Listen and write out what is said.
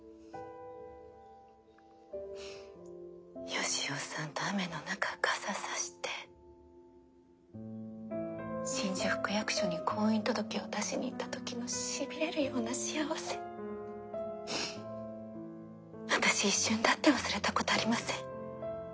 義雄さんと雨の中傘差して新宿区役所に婚姻届を出しに行った時のしびれるような幸せ私一瞬だって忘れたことありません。